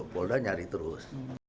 polda nyari terus